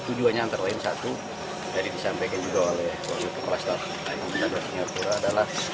tujuannya antara lain satu dari disampaikan juga oleh wpklas tenggara singapura adalah